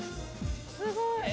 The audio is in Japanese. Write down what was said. すごい！